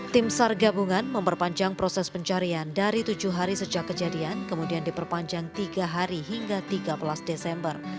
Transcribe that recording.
tim sar gabungan memperpanjang proses pencarian dari tujuh hari sejak kejadian kemudian diperpanjang tiga hari hingga tiga belas desember